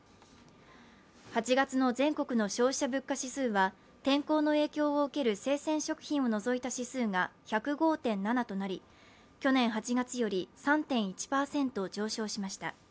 ８月の全国の消費者物価指数は天候の影響を受ける生鮮食品を除いた指数が１０５．７となり去年８月より３．１％上昇しました。